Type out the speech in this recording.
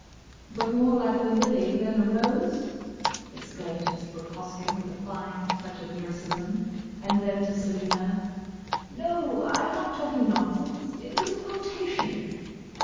"But more like the lily than the rose?" exclaimed Mr. Brooke Hoskyn with a fine touch of lyricism; and then to Selina, "No; I am not talking nonsense! It was a quotation."